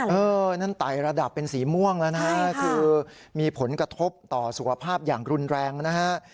นั่นไต่ระดับเป็นสีม่วงแล้วนะฮะคือมีผลกระทบต่อสุขภาพอย่างรุนแรงนะฮะ